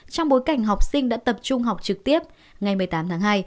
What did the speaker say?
trong bối cảnh học sinh đã tập trung học trực tiếp ngày một mươi tám tháng hai